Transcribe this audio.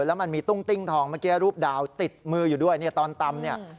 แล้วมันมีตุ้งติ้งทองเมื่อกี้รูปดาวติดมืออยู่ด้วยเนี่ยตอนตำเนี่ย